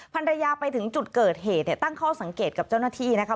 ภรรยาไปถึงจุดเกิดเหตุเนี่ยตั้งข้อสังเกตกับเจ้าหน้าที่นะคะ